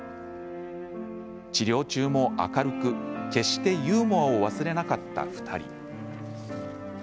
治療中も明るく、決してユーモアを忘れなかった２人。